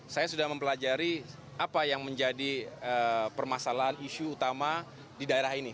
saya sudah mempelajari apa yang menjadi permasalahan isu utama di daerah ini